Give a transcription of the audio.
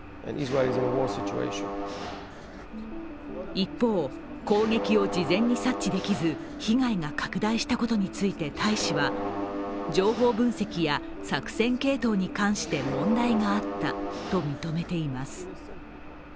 一方、攻撃を事前に察知できず被害が拡大したことについて大使は情報分析や作戦系統に関して問題があったと認めています。